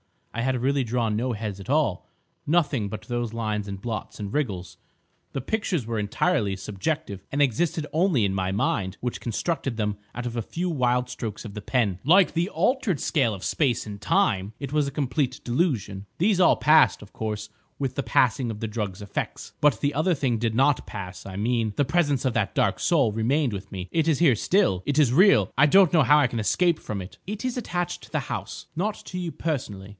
I had really drawn no heads at all—nothing but those lines and blots and wriggles. The pictures were entirely subjective, and existed only in my mind which constructed them out of a few wild strokes of the pen. Like the altered scale of space and time it was a complete delusion. These all passed, of course, with the passing of the drug's effects. But the other thing did not pass. I mean, the presence of that Dark Soul remained with me. It is here still. It is real. I don't know how I can escape from it." "It is attached to the house, not to you personally.